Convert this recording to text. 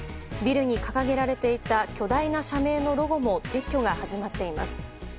ビルに掲げられていた巨大な社名のロゴも撤去が始まっています。